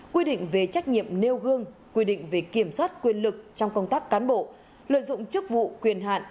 quy định về trách nhiệm nêu gương quy định về kiểm soát quyền lực trong công tác cán bộ lợi dụng chức vụ quyền hạn